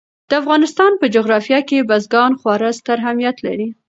د افغانستان په جغرافیه کې بزګان خورا ستر اهمیت لري.